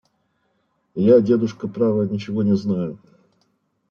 – Я, дедушка, право, ничего не знаю.